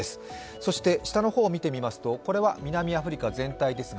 そして下の方を見てみますと、これは南アフリカ全体ですが